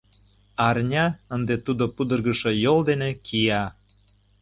Арня ынде тудо пудыргышо йол дене кия.